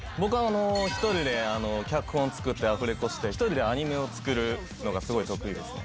１人で脚本作ってアフレコして１人でアニメを作るのがすごい得意ですね。